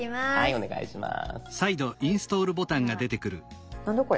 お願いします。